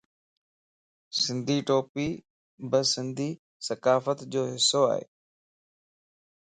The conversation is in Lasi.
سنڌي ٽوپي بي سنڌي ثقافت جو حصو ائي.